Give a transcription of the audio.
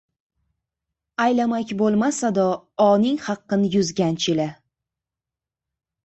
Aylamak bo‘lmas ado oping haqin yuz ganj ila.